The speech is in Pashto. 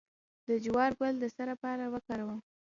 د جوار ګل د څه لپاره وکاروم؟